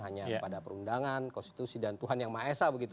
hanya kepada perundangan konstitusi dan tuhan yang maesah begitu